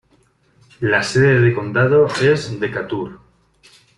La sede de condado es Decatur.